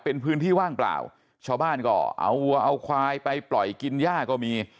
เป็นพื้นที่ว่างเปล่าชาวบ้านก็เอาวัวเอาควายไปปล่อยกินย่าก็มี